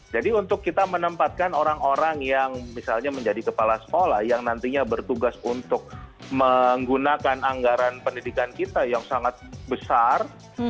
jadi untuk kita menempatkan orang orang yang misalnya menjadi kepala sekolah yang nantinya bertugas untuk menggunakan anggaran pendidikan kita yang sangat besar